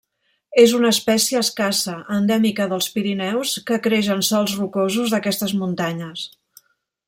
És una espècie escassa, endèmica dels Pirineus que creix en sols rocosos d'aquestes muntanyes.